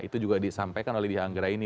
itu juga disampaikan oleh dihanggerai ini